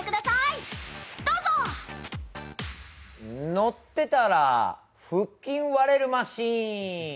乗ってたら腹筋割れるマシン。